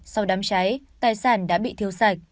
sau đám trái tài sản đã bị thiếu sàn